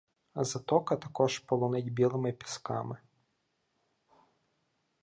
Затока також полонить білими пісками